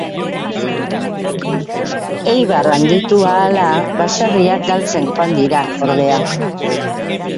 Eibar handitu ahala, baserriak galtzen joan dira, ordea.